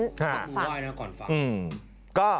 ดูไว้นะก่อนฟัง